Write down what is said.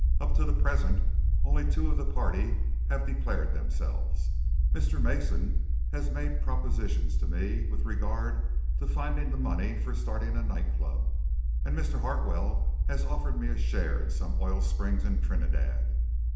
"Up to the present, only two of the party have declared themselves. Mr. Mason has made propositions to me with regard to finding the money for starting a night club, and Mr. Hartwell has offered me a share in some oil springs in Trinidad."